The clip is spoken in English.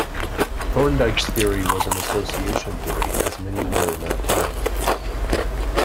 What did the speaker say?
Thorndike's theory was an association theory, as many were in that time.